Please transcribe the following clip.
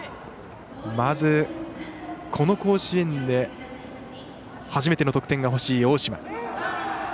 まず、この甲子園で初めての得点がほしい大島。